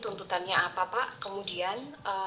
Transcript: tuntutannya apa pak kemudian